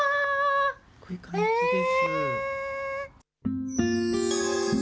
こういう感じです。